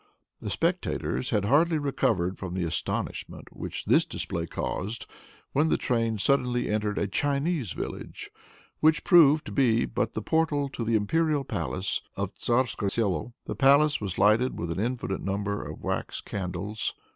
The spectators had hardly recovered from the astonishment which this display caused, when the train suddenly entered a Chinese village, which proved to be but the portal to the imperial palace of Tzarkoselo. The palace was lighted with an infinite number of wax candles.